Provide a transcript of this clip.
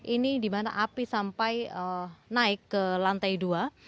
ini di mana api sampai naik ke lantai dua